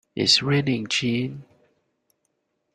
It's raining gin!